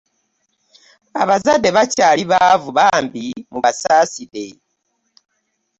Abazadde bakyali baavu bambi mubasaasire.